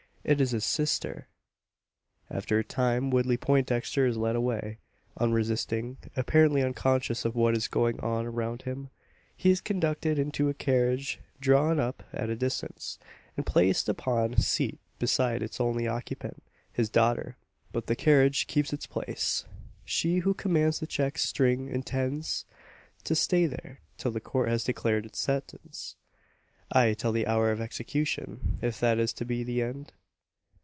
It is his sister! After a time, Woodley Poindexter is led away unresisting, apparently unconscious of what is going on around him. He is conducted to a carriage drawn up at a distance, and placed upon a seat beside its only occupant his daughter. But the carriage keeps its place. She who commands the check string intends to stay there, till the Court has declared its sentence ay, till the hour of execution, if that is to be the end!